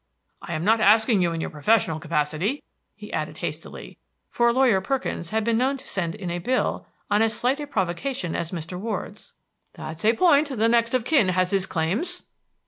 I am not asking you in your professional capacity," he added hastily; for Lawyer Perkins had been known to send in a bill on as slight a provocation as Mr. Ward's. "That's a point. The next of kin has his claims."